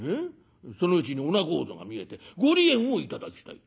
そのうちにお仲人が見えて『ご離縁を頂きたい』